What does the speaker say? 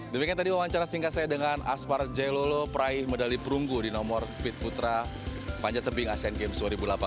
demikian tadi wawancara singkat saya dengan aspar jailolo peraih medali perunggu di nomor speed putra panjat tebing asian games dua ribu delapan belas